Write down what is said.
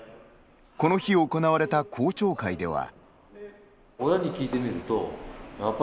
この日行われた校長会では。